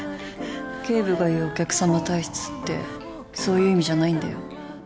警部が言うお客さま体質ってそういう意味じゃないんだよ